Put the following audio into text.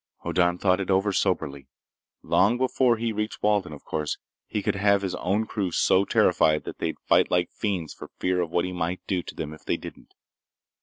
Hoddan thought it over soberly. Long before he reached Walden, of course, he could have his own crew so terrified that they'd fight like fiends for fear of what he might do to them if they didn't.